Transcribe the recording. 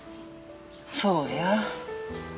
そうや。